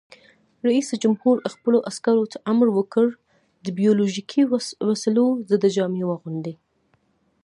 رئیس جمهور خپلو عسکرو ته امر وکړ؛ د بیولوژیکي وسلو ضد جامې واغوندئ!